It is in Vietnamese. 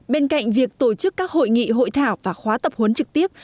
bên cạnh việc tổ chức các hội nghị hội thảo và khóa tập huấn trực tiếp